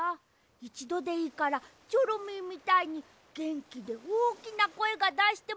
いちどでいいからチョロミーみたいにげんきでおおきなこえがだしてみたいんだよ。